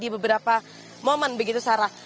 beberapa momen begitu sarah